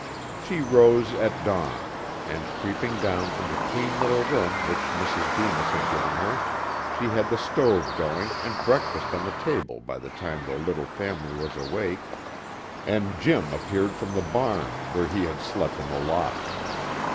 She rose at dawn, and, creeping down from the clean little room which Mrs. Bemis had given her, she had the stove going and breakfast on the table by the time the little family was awake, and Jim appeared from the barn, where he had slept in the loft.